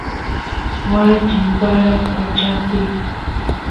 waa chimpara qochapi